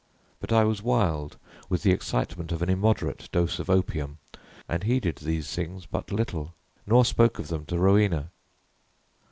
But I was wild with the excitement of an immoderate dose of opium, and heeded these things but little, nor spoke of them to Rowena.